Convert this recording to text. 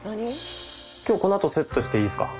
今日このあとセットしていいですか？